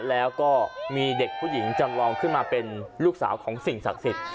แล้วก็มีเด็กผู้หญิงจำลองขึ้นมาเป็นลูกสาวของสิ่งศักดิ์สิทธิ์